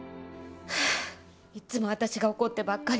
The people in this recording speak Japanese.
はあいっつも私が怒ってばっかり。